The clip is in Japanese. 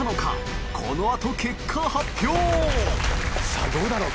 さぁどうだろう？